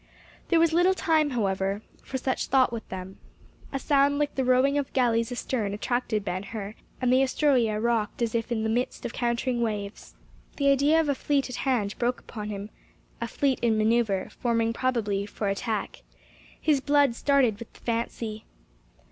There was little time, however, for such thought with them. A sound like the rowing of galleys astern attracted Ben Hur, and the Astroea rocked as if in the midst of countering waves. The idea of a fleet at hand broke upon him—a fleet in manoeuvre—forming probably for attack. His blood started with the fancy.